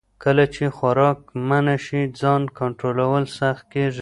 کله چې خوراک منع شي، ځان کنټرول سخت کېږي.